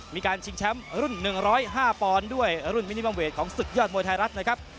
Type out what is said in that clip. มีการชิงแชมป์รุ่นหนึ่งร้อยห้าปอนด้วยรุ่นมินิมัมเวทของศึกยอดมวยไทยรัฐนะครับ